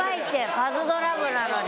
パズドラ部なのに。